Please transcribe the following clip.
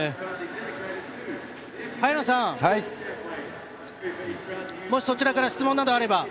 早野さん、そちらから質問などがあれば。